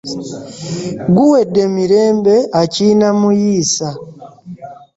Guwedde mirembe akiinamuyiisa .